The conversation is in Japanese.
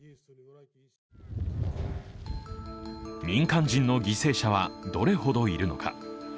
民間人の犠牲者はどれほどいるのか。